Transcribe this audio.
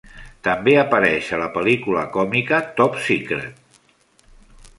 També apareix a la pel·lícula còmica Top Secret!